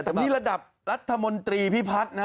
แต่นี่ระดับรัฐมนตรีพิพัฒน์นะ